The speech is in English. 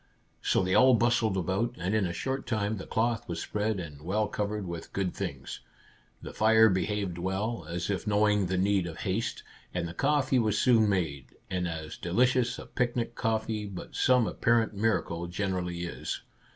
So they all bustled about, and in a short time the cloth was spread, and well covered with good things. The fire behaved well, as if knowing the need of haste, and the coffee was soon made, and as delicious as picnic coffee, by some apparent miracle, generally is.